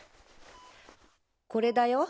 これだよ。